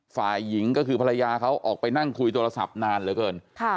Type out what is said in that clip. ฝ่ายหญิงก็คือภรรยาเขาออกไปนั่งคุยโทรศัพท์นานเหลือเกิน